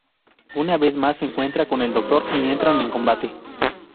Una vez más se encuentra con el Doctor y entran en combate.